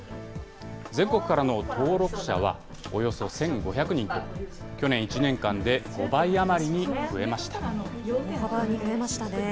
全国からの登録者はおよそ１５００人と、去年１年間で５倍余りに増えました。